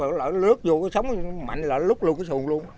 rồi lỡ lướt vô sống mạnh lỡ lút luôn cái sùn luôn